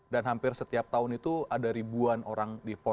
dan hampir setiap tahun itu ada ribuan orang difonis